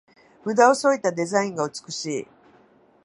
ムダをそいだデザインが美しい